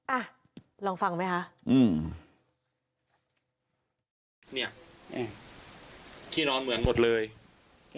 อ่ะลองฟังไหมฮะ